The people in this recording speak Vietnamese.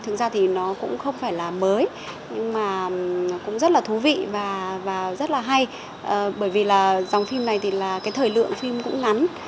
nhưng mà cũng rất là thú vị và rất là hay bởi vì là dòng phim này thì là cái thời lượng phim cũng ngắn